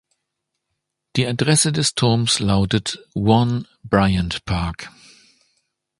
Die Adresse des Turms lautet "One Bryant Park".